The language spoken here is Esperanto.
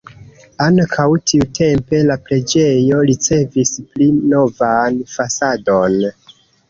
Ankaŭ tiutempe la preĝejo ricevis pli novan fasadon.